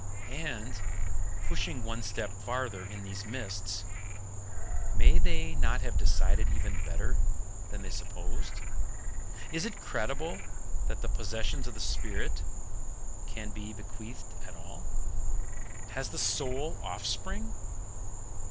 And pushing one step farther in these mists may they not have decided even better than they supposed? Is it credible that the possessions of the spirit can be bequeathed at all? Has the soul offspring?